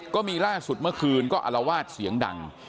ก็มีล่าสุดเมื่อคืนก็อารวาสเสียงดัง